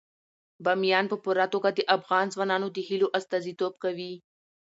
بامیان په پوره توګه د افغان ځوانانو د هیلو استازیتوب کوي.